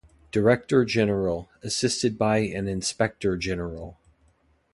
Director-General, assisted by an Inspector-General.